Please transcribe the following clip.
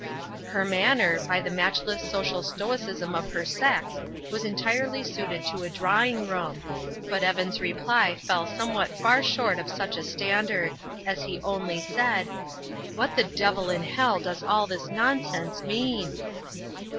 Her manner, by the matchless social stoicism of her sex, was entirely suited to a drawing room, but Evan's reply fell somewhat far short of such a standard, as he only said: "What the devil in hell does all this nonsense mean?"